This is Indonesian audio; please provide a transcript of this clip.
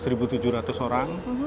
satu tujuh ratus orang